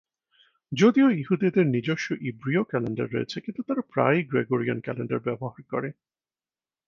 যদিও যিহুদিদের নিজস্ব ইব্রীয় ক্যালেন্ডার রয়েছে কিন্তু তারা প্রায়ই গ্রেগরিয়ান ক্যালেন্ডার ব্যবহার করে।